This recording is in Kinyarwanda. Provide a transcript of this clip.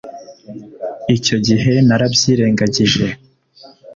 Icyo gihe narabyirengagije